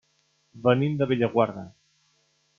Venim de Bellaguarda.